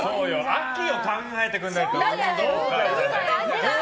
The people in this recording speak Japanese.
秋を考えてくれないと。